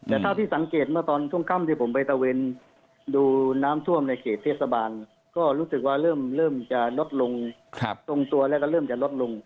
แต่ถ้าที่สังเกตอีกตอนช่างปันที่ผมไปตะเวชดูน้ำท่วมของเขตทะเลก็เริ่มลดลงตรงตัวและจะลดลง